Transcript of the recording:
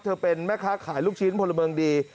เป็นแม่ค้าขายลูกชิ้นพลเมิงดี